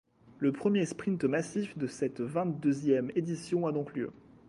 Le premier sprint massif de cette vingt-deuxième édition à donc lieu.